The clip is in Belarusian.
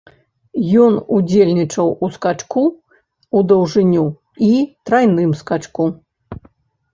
Ён удзельнічаў у скачку ў даўжыню і трайным скачку.